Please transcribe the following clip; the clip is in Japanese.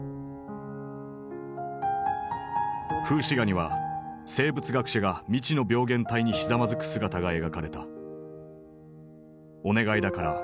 風刺画には生物学者が未知の病原体にひざまずく姿が描かれた。